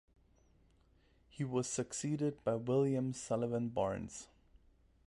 He was succeeded by William Sullivan Barnes.